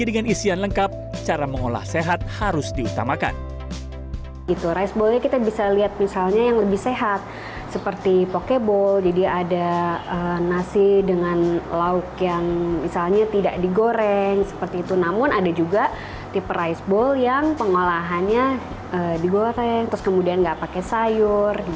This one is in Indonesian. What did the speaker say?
dibuatnya terus kemudian enggak pakai sayur